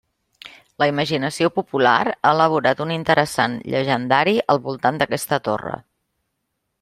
La imaginació popular ha elaborat un interessant llegendari al voltant d'aquesta torre.